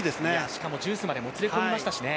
しかも、ジュースまでもつれ込みましたからね。